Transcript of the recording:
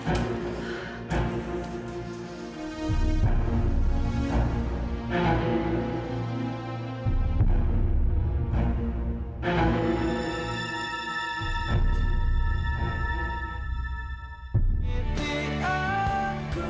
ini benar benar keadaan darurat